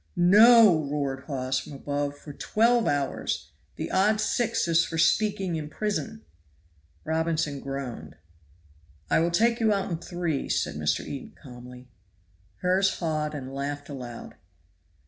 "No!" roared Hawes from above, "for twelve hours; the odd six is for speaking in prison." Robinson groaned. "I will take you out in three," said Mr. Eden calmly. Hawes heard and laughed aloud.